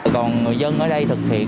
còn người dân ở đây thực hiện